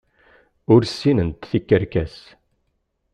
Ur sinnent tikerkas.